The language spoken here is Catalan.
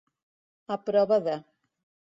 A prova de.